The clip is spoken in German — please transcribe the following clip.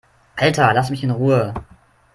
Alter, lass mich in Ruhe!